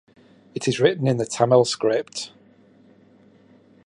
It is written in the Tamil script.